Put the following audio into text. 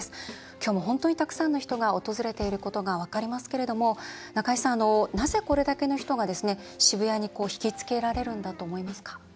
今日も、本当にたくさんの人が訪れていることが分かりますけれども中井さん、なぜ、これだけの人が渋谷に引きつけられるんだと思いますか？